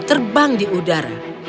terbang di udara